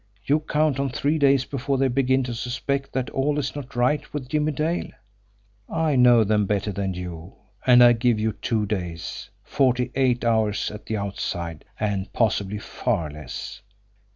You count on three days before they begin to suspect that all is not right with Jimmie Dale I know them better than you, and I give you two days, forty eight hours at the outside, and possibly far less.